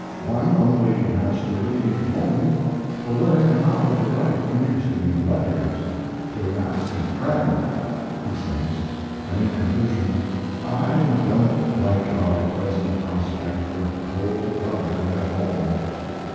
"One only has to leave home to learn how to write interesting letters to an absent friend," he says, and in conclusion, "I don't like our present prospect for cold weather at all."